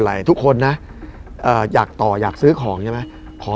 หลุยฟิโก